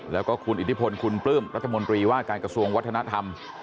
แล้วก็คุณอิทธิพลคุณปลื้มรัฐมนตรีว่าการกระทรวงวัฒนธรรม